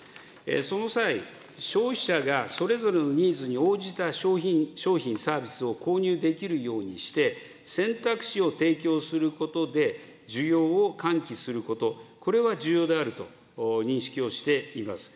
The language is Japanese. その際、消費者がそれぞれのニーズに応じた商品、サービスを購入できるようにして、選択肢を提供することで需要を喚起すること、これは重要であると認識をしています。